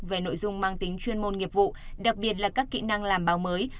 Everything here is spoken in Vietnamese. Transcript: về nội dung mang tính chuyên môn nghiệp vụ đặc biệt là các kỹ năng làm báo mới